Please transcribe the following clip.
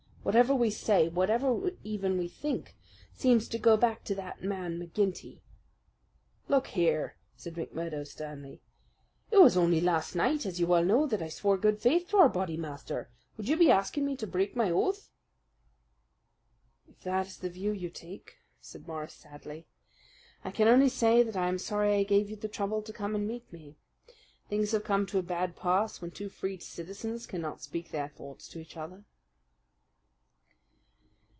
"Whatever we say, even what we think, seems to go back to that man McGinty." "Look here!" said McMurdo sternly. "It was only last night, as you know well, that I swore good faith to our Bodymaster. Would you be asking me to break my oath?" "If that is the view you take," said Morris sadly, "I can only say that I am sorry I gave you the trouble to come and meet me. Things have come to a bad pass when two free citizens cannot speak their thoughts to each other."